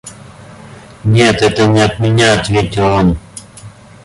— Нет, это не от меня, — ответил он.